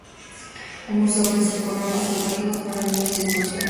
El museo ofrece programas educativos para niños y excursiones.